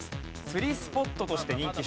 釣りスポットとして人気。